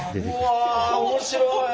うわ面白い。